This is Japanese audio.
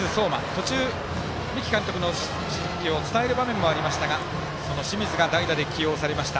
途中、三木監督の指示を伝える場面もありましたがその清水が起用されました。